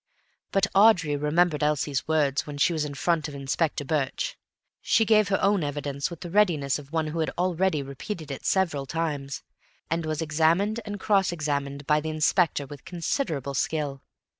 But Audrey remembered Elsie's words when she was in front of Inspector Birch. She gave her own evidence with the readiness of one who had already repeated it several times, and was examined and cross examined by the Inspector with considerable skill.